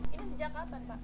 ini sejak apa pak